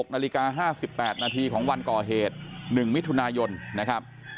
๖นาฬิกา๕๘นาทีของวันก่อเหตุ๑มิถุนายนนะครับ